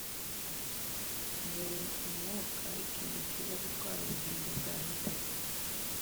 ni umwuka-ikintu kiza gutwara ubugingo bwa hipe